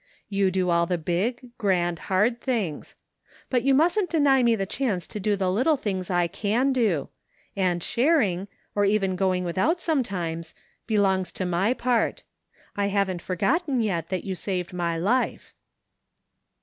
You do all the big, grand, hard things. But you mustn't deny me the chance to do the little things I can do ; and sharing, or even going without sometimes, belongs to my part. I haven't forgotten yet that you saved my life."